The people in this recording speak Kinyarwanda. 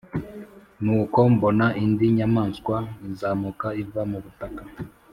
Nuko mbona indi nyamaswa izamuka iva mu butaka.